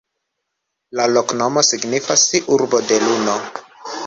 La loknomo signifas: Urbo de Luno.